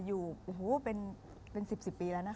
อยู่โอ้โหเป็น๑๐ปีแล้วนะคะ